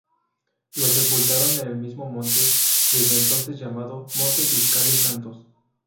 Los sepultaron en el mismo monte, desde entonces llamado "Monte Fiscales Santos".